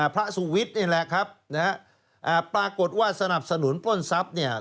พระสุวิทย์นี่แหละครับนะฮะปรากฏว่าสนับสนุนปล้นทรัพย์เนี่ย